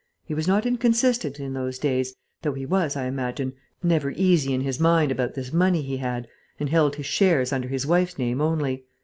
He was not inconsistent in those days, though he was, I imagine, never easy in his mind about this money he had, and held his shares under his wife's name only.